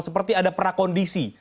seperti ada prakondisi